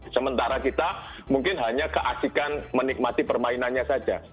sementara kita mungkin hanya keasikan menikmati permainannya saja